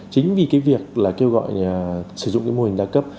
chính vì cái việc là kêu gọi sử dụng cái mô hình đa cấp